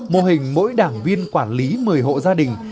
mô hình mỗi đảng viên quản lý một mươi hộ gia đình